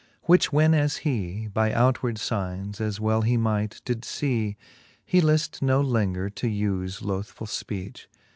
Which when as hee By outward iignes, as well he might, did fee, He lift no lenger to ufe lothfull fpeach.